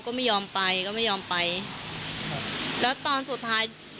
ก็ไม่ยอมไปแล้วตอนสุดท้าย